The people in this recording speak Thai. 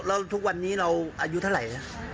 แล้วทุกวันนี้เราอายุเท่าไหร่